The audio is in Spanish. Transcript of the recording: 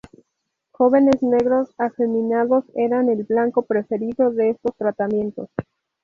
Jóvenes negros afeminados eran el blanco preferido de estos tratamientos.